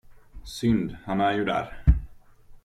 Synd, han är ju där.